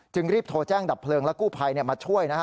รีบโทรแจ้งดับเพลิงและกู้ภัยมาช่วยนะฮะ